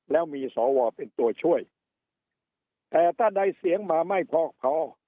แล้วมีสวเป็นตัวช่วยแต่ถ้าได้เสียงมาไม่พอพอ